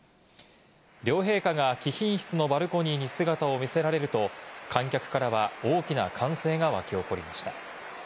両陛下が貴賓室のバルコニーに姿を見せられると、観客からは大きな歓声が沸き起こりました。